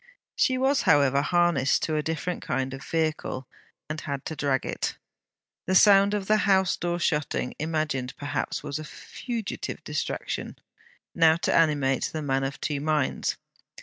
She was, however, harnessed to a different kind of vehicle, and had to drag it. The sound of the house door shutting, imagined perhaps, was a fugitive distraction. Now to animate The Man of Two Minds!